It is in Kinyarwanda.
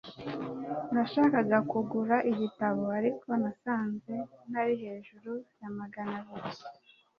nashakaga kugura igitabo, ariko nasanze ntari hejuru ya magana abiri